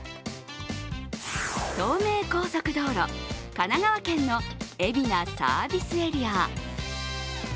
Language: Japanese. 東名高速道路・神奈川県の海老名サービスエリア。